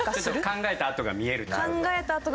考えた跡が見える。